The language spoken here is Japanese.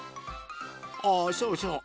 あそうそう！